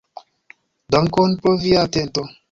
Dankon pro via atento.